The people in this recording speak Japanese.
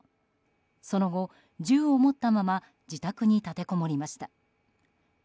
その後、銃を持ったまま自宅に立てこもりました。